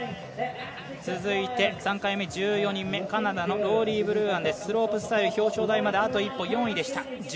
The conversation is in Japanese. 続いて３回目、１４人目カナダのローリー・ブルーアンスロープスタイル表彰台まであと１歩、４位でした。